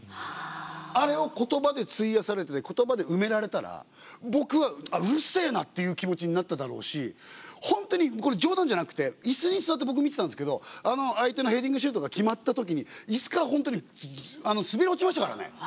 あれを言葉で費やされてたり言葉で埋められたら僕はうるせえなっていう気持ちになっただろうし本当にこれ冗談じゃなくて椅子に座って僕見てたんですけどあの相手のヘディングシュートが決まったときに椅子から本当に滑り落ちましたからね。